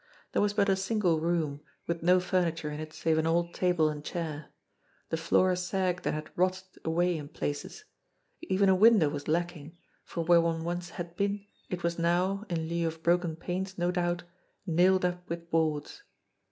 There was but a single room, with no furniture in it save an old table and chair ; the floor sagged and had rotted away in places ; even a window was lacking, for where one once had been, it was now, in lieu of broken panes no doubt, nailed up with boards.